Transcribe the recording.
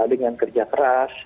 dengan kerja keras